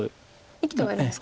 生きてはいるんですか。